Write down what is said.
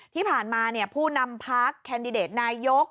ที่ผ่านมาผู้นำพักแคนดิเดตนายก